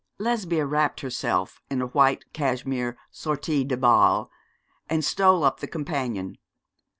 Lesbia wrapped herself in a white cashmere sortie de bal and stole up the companion.